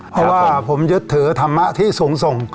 เพราะว่าผมยึดถือธรรมะที่สูงส่ง